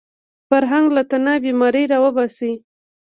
فرهنګ له تنه بیماري راوباسي